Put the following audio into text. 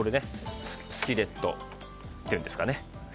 スキレットっていうんですかね。